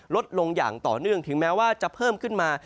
ลดลงอย่างต่อเนื่องถึงแม้ว่าจะเพิ่มขึ้นมา